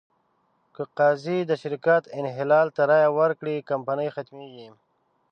که قاضي د شرکت انحلال ته رایه ورکړي، کمپنۍ ختمېږي.